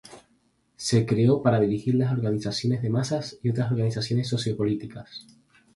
Se creó para dirigir las organizaciones de masas y otras organizaciones sociopolíticas.